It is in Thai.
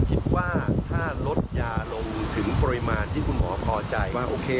คิดว่าถ้าลดยาลงถึงปริมาณที่คุณหมอพอใจว่าโอเค